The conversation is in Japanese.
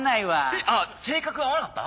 えっ性格合わなかった？